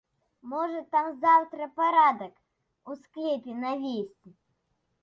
Можа, там заўтра парадак у склепе навесці.